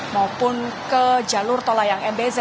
maupun ke jalur tol layang mbz